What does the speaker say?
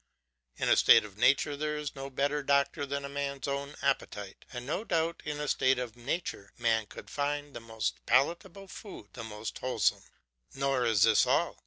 In a state of nature there is no better doctor than a man's own appetite, and no doubt in a state of nature man could find the most palateable food the most wholesome. Nor is this all.